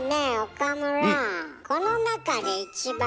岡村。